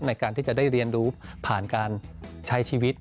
ในการที่จะได้เรียนรู้ผ่านการใช้ชีวิต